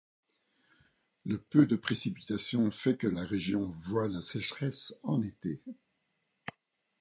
Le peu de précipitations fait que la région voie la sécheresse en été.